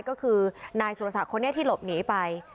ก็คือนายสุรศักดิ์คนนี้ที่หลบหนีไป